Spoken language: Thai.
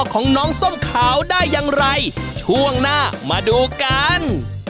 ของน้องส้มขาวได้อย่างไรช่วงหน้ามาดูกัน